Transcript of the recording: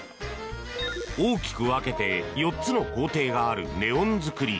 大きく分けて４つの工程があるネオン作り。